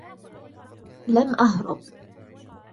لم أهرب.